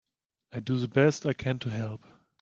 I do the best I can to help.